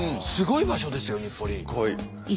すごい場所ですよ日暮里。